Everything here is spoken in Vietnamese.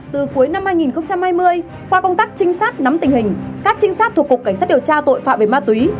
từ cuối năm hai nghìn hai mươi qua công tác trinh sát nắm tình hình các trinh sát thuộc cục cảnh sát điều tra tội phạm về ma túy